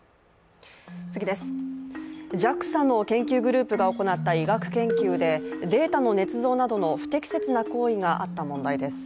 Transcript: ＪＡＸＡの研究グループが行った医学研究でデータのねつ造などの不適切な行為があった問題です。